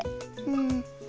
うん。